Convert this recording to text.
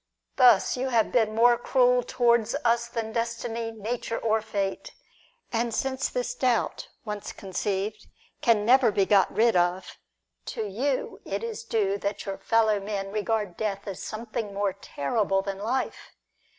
Thus, you have been more cruel towards us than Destiny, Nature, or Fate. And since this doubt, once conceived, can never be got rid of, to you is it due that your fellow men regard death as something more terrible than life.